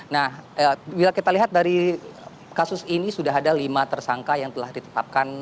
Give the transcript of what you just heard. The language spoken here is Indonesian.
nah bila kita lihat dari kasus ini sudah ada lima tersangka yang telah ditetapkan